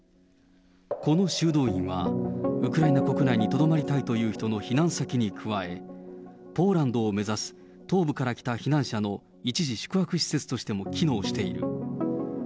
この修道院は、ウクライナ国内にとどまりたいという人の避難先に加え、ポーランドを目指す東部から来た避難者の一時宿泊施設としても機能している。